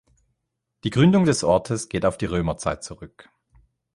Die Gründung des Ortes geht auf die Römerzeit zurück.